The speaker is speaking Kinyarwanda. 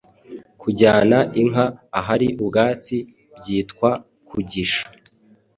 Kujyana inka ahari ubwatsi byitwa Kugisha